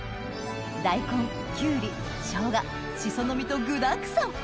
大根きゅうり生姜しその実と具だくさん！